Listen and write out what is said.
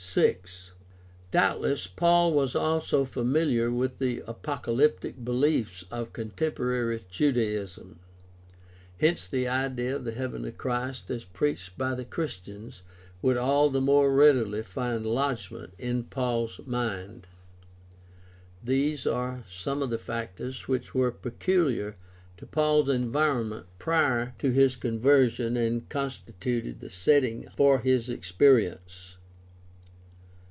6, Doubtless Paul was also familiar with the apocalyptic beliefs of contemporary Judaism; hence the idea of the heavenly Christ as preached by the Christians would all the more readily find lodgment in Paul's mind. These are some of the factors which were peculiar to Paul's environment prior to his conversion and constituted the setting for his experience.